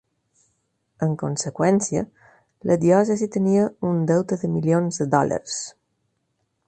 En conseqüència, la diòcesi tenia un deute de milions de dòlars.